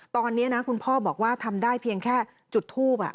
ตอนนี้นะคุณพ่อบอกว่าทำได้เพียงแค่จุดทูบ